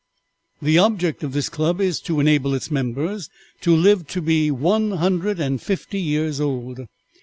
"The object of this club is to enable its members to live to be one hundred and fifty years old.